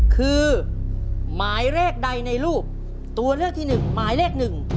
คือหมายเลขใดในรูปตัวเลือกที่หนึ่งหมายเลขหนึ่ง